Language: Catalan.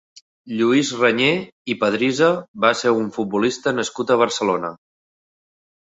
Lluís Reñé i Padrisa va ser un futbolista nascut a Barcelona.